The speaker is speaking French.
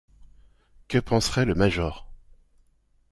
Que penserait le major?